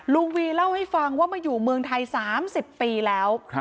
ลุงวีเล่าให้ฟังว่ามาอยู่เมืองไทย๓๐ปีแล้ว